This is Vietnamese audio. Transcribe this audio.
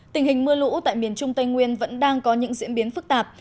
tình hình mưa lũ tại miền trung tây nguyên vẫn đang có những diễn biến phức tạp